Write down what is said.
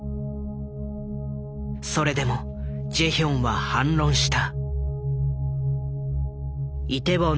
それでもジェヒョンは反論した。